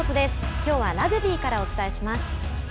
きょうはラグビーからお伝えします。